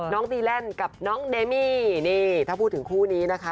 น้องตีแร่นกับน้องเดมี่ถ้าพูดถึงคู่นี้นะคะ